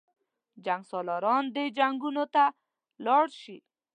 جنګسالاران دې جنګونو ته لاړ شي.